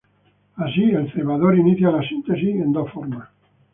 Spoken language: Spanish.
Así, el cebador inicia la síntesis en dos formas.